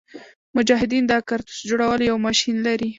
مجاهدین د کارتوس جوړولو یو ماشین لري.